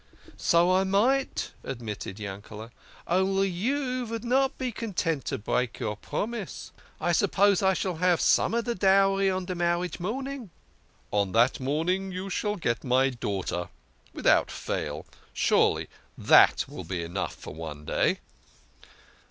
" So I might," admitted Yankele, " only you vould not be content to break your promise. I suppose I shall have some of de dowry on de marriage morning." " On that morning you shall get my daughter without fail. Surely that will be enough for one day